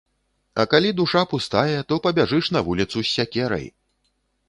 А калі душа пустая, то пабяжыш на вуліцу з сякерай.